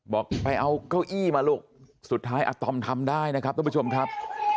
บอกไปเอาเก้าอี้มาลูกสุดท้ายอาตอมทำได้นะครับทุกผู้ชมครับ